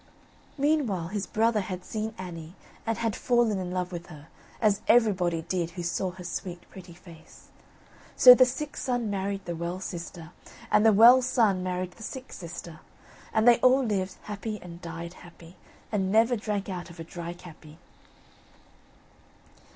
Meanwhile his brother had seen Annie and had fallen in love with her, as everybody did who saw her sweet pretty face. So the sick son married the well sister, and the well son married the sick sister, and they all lived happy and died happy, and never drank out of a dry cappy.